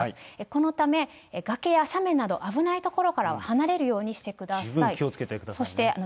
このため、崖や斜面など、危ない所からは離れるようにしてください。